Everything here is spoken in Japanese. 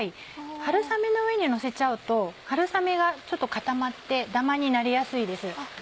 春雨の上にのせちゃうと春雨がちょっと固まってダマになりやすいです。